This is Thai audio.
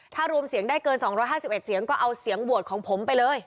ถ้ารวมเสียงได้เกิน๒๕๑เสียงก็เอาเสียงโหวตของผมไปเลย